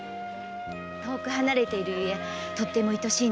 遠く離れているゆえとても愛しいのです。